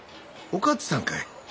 お勝さんかい。